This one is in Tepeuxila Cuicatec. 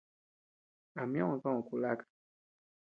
Am ñoʼod kod ku laka.